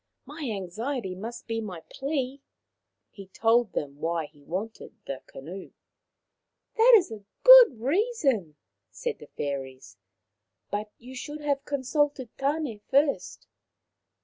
My anxiety must be my plea." He told them why he wanted the canoe. " That is a good reason," said the fairies, " but you should have consulted Tan6 first.